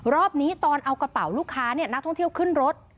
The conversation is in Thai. รอบนี้ตอนเอากระเป๋าลูกค้านักท่องเที่ยวขึ้นรถ